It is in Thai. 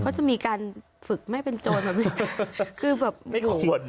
เพราะจะมีการฝึกไม่เป็นโจรแบบนี้